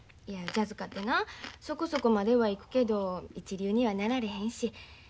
いやジャズかてなそこそこまではいくけど一流にはなられへんし。